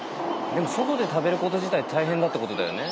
でも外で食べること自体大変だってことだよね。